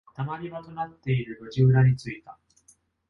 溜まり場となっている路地裏に着いた。